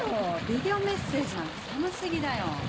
ビデオメッセージなんか寒過ぎだよ。